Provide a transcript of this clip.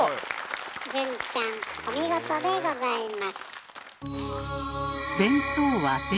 潤ちゃんお見事でございます。